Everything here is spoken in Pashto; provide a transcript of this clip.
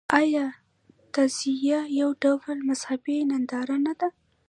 آیا تعزیه یو ډول مذهبي ننداره نه ده؟